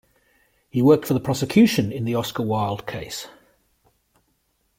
He worked for the prosecution in the Oscar Wilde case.